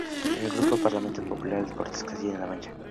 En el Grupo Parlamentario Popular de las Cortes de Castilla La Mancha.